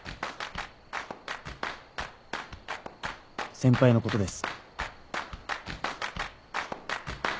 先輩のことです。